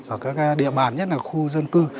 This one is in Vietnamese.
ở các địa bàn nhất là khu dân cư